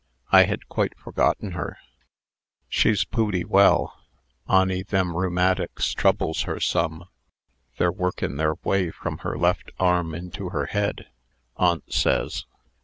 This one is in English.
"I had quite forgotten her." "She's pooty well, ony them rheumatics troubles her some. They're workin' their way from her left arm into her head, aunt says.